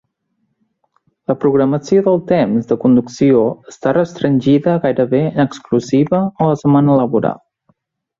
La programació del temps de conducció està restringida gairebé en exclusiva a la setmana laboral.